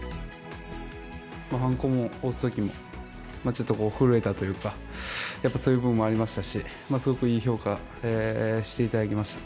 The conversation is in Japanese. はんこを押すときも、ちょっとこう、震えたというか、やっぱそういう面もありましたし、すごくいい評価していただきました。